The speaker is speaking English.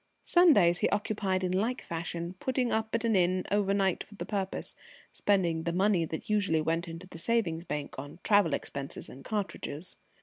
Sundays he occupied in like fashion, putting up at an inn overnight for the purpose, spending the money that usually went into the savings bank on travelling expenses and cartridges.